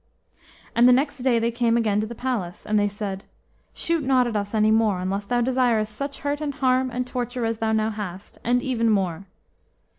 And the next day they came again to the palace, and they said, "Shoot not at us any more, unless thou desirest such hurt and harm and torture as thou now hast, and even more."